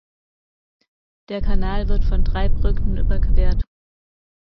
Der Kanal wird von drei Brücken überquert.